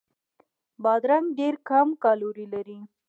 بادرنګ ډېر کم کالوري لري.